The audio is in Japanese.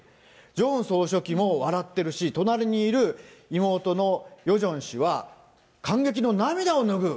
ジョンウン総書記も笑ってるし、隣にいる妹のヨジョン氏は、感激の涙をぬぐう。